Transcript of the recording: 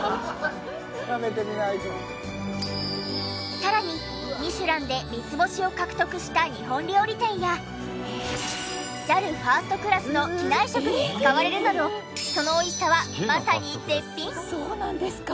さらに『ミシュラン』で三つ星を獲得した日本料理店やＪＡＬファーストクラスの機内食に使われるなどその美味しさはまさに絶品！